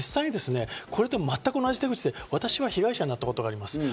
実際にこれと全く同じ手口で私は被害者になったことがあります。